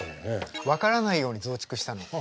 分からないように増築したの。